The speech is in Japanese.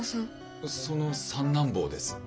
その三男坊です。